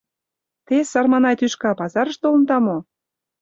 — Те, сарманай тӱшка, пазарыш толында мо?